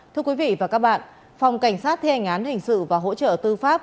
thưa quý vị và các bạn phòng cảnh sát theo hình án hình sự và hỗ trợ tư pháp